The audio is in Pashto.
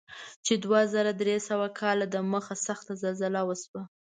چې دوه زره درې سوه کاله دمخه سخته زلزله وشوه.